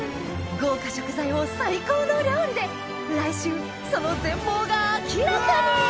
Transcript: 豪華食材を最高の料理で来週その全貌が明らかに！